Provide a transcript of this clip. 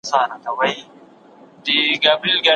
که شاګرد خپل کار سم ونه کړي نو استاد به یې تصحیح کړي.